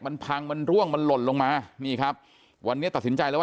มันพังมันร่วงมันหล่นลงมานี่ครับวันนี้ตัดสินใจแล้วว่า